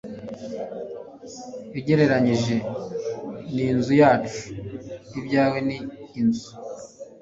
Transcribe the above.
Ugereranije n'inzu yacu, ibyawe ni inzu. .